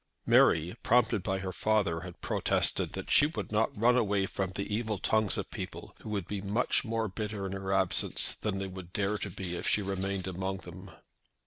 Mary, prompted by her father, had protested that she would not run away from the evil tongues of people who would be much more bitter in her absence than they would dare to be if she remained among them.